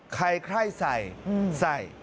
ใครค่อยใส่ใส่